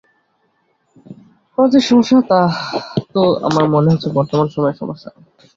আপনার যে-সমস্যা, তা তো আমার মনে হচ্ছে বর্তমান সময়ের সমস্যা।